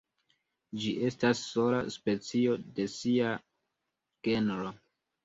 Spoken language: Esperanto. Ĝi estas sola specio de sia genro.